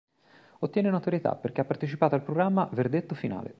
Ottiene notorietà perché ha partecipato al programma "Verdetto Finale".